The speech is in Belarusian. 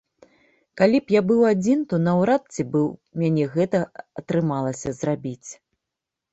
Калі б я быў адзін, то наўрад ці б у мяне гэта атрымалася зрабіць.